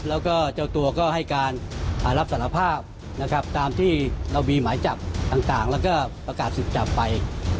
แล้วก็เจ้าตัวก็ให้การรับสารภาพนะครับตามที่เรามีหมายจับต่างแล้วก็ประกาศสุดจับไป